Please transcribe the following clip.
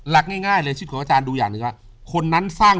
หลักง่ายเลยชีวิตของอาจารย์ดูอย่างหนึ่งว่าคนนั้นสร้าง